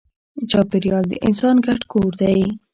چاپېریال د انسان ګډ کور دی.